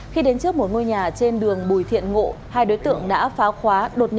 khi đến trước một ngôi nhà trên đường bùi thiện ngộ hai đối tượng đã phá khóa